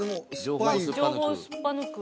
情報をすっぱ抜く？